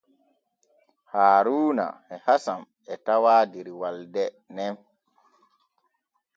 Haaruuna e Hasan e tawaa der walde nen.